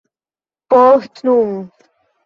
Post nun...